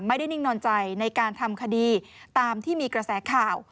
นิ่งนอนใจในการทำคดีตามที่มีกระแสข่าว